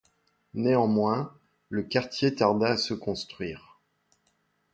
Néanmoins, le quartier tarda à se construire.